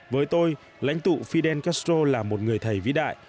với tôi lãnh tụ fidel castro là một người thầy vĩ đại